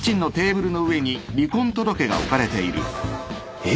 えっ？